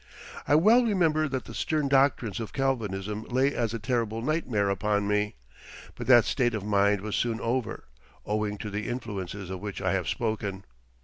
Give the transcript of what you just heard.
I well remember that the stern doctrines of Calvinism lay as a terrible nightmare upon me, but that state of mind was soon over, owing to the influences of which I have spoken.